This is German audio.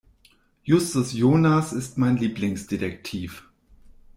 Justus Jonas ist mein Lieblingsdetektiv.